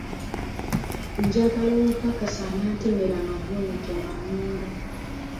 Njagala omupakasi anaantemera amavunike mu nnimiro.